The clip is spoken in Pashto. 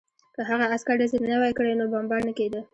که هغه عسکر ډزې نه وای کړې نو بمبار نه کېده